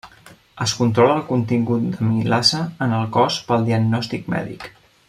Es controla el contingut d'amilasa en el cos pel diagnòstic mèdic.